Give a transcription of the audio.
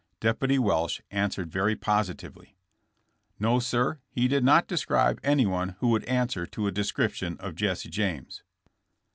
Deputy Welsh answered very positively : No, sir; he did not describe anyone who would answer to a description of Jess James."